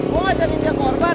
gue nggak jadi dia korban